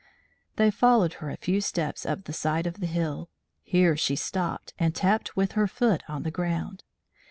They followed her a few steps up the side of the hill. Here she stopped, and tapped with her foot on the ground.